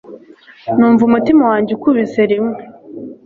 numva umutima wanjye ukubise rimwe